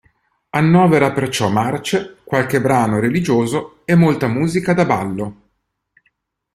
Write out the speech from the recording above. Annovera perciò marce, qualche brano religioso e molta musica da ballo.